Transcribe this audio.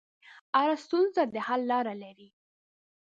هره ستونزه د حل لاره لري.